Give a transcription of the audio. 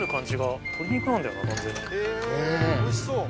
へぇおいしそう。